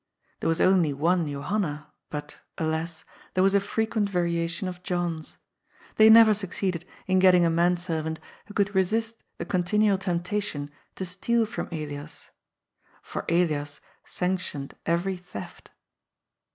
There was only one Johanna, but — alas — there was a frequent variation of Johns. They never succeeded in getting a manservant who could resist the con tinual temptation to steal from Elias. For Elias sanctioned every theft.